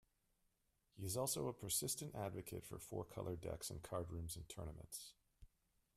He is also a persistent advocate for four-color decks in card rooms and tournaments.